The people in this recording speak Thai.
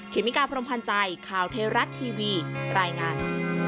เมกาพรมพันธ์ใจข่าวเทวรัฐทีวีรายงาน